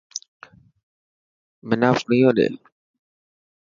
منا فيڻو ڏي.